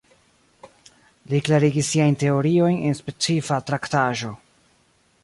Li klarigis siajn teoriojn en specifa traktaĵo.